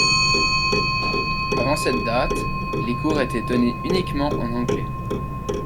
Avant cette date, les cours étaient donnés uniquement en anglais.